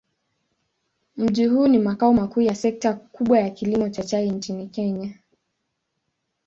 Mji huu ni makao makuu ya sekta kubwa ya kilimo cha chai nchini Kenya.